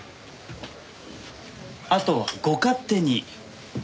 あとはご勝手に。